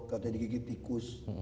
yang di gigi tikus